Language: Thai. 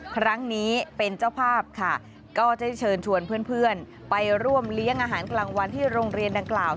ครั้งนี้เป็นเจ้าภาพค่ะก็จะเชิญชวนเพื่อนไปร่วมเลี้ยงอาหารกลางวันที่โรงเรียนดังกล่าว